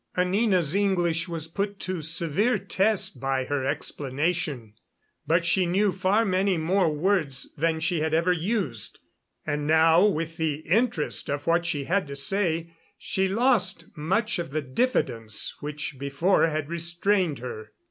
Anina's English was put to severe test by her explanation; but she knew far many more words than she had ever used, and now, with the interest of what she had to say, she lost much of the diffidence which before had restrained her.